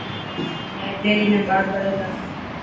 لائبريري ۾ ٻاڙ پڙهي تا.